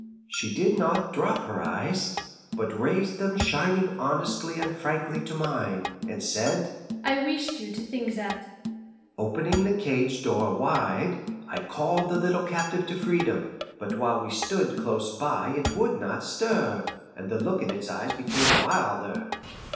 She did not drop her eyes, but raised them shining honestly and frankly to mine, and said, "I wished you to think that." Opening the cage door wide, I called the little captive to freedom. But while we stood close by it would not stir, and the look in its eyes became wilder.